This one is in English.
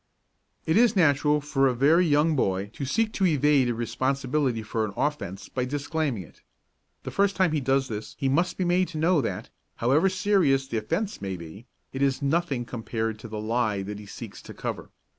It is natural for a very young boy to seek to evade responsibility for an offence by disclaiming it. The first time he does this he must be made to know that, however serious the offence may be, it is as nothing compared to the lie that he seeks to cover.